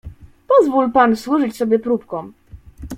"Pozwól pan służyć sobie próbką."